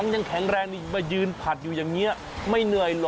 ยังแข็งแรงนี่มายืนผัดอยู่อย่างนี้ไม่เหนื่อยหรอ